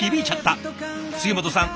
杉本さん